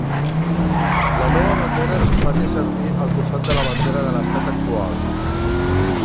La nova bandera es faria servir al costat de la bandera de l'estat actual.